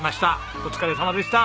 お疲れさまでした。